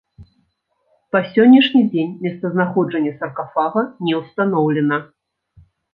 Па сённяшні дзень месцазнаходжанне саркафага не ўстаноўлена.